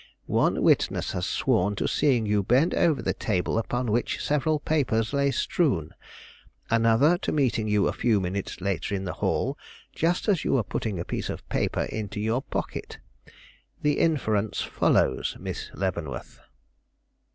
"One witness has sworn to seeing you bend over the table upon which several papers lay strewn; another, to meeting you a few minutes later in the hall just as you were putting a piece of paper into your pocket. The inference follows, Miss Leavenworth."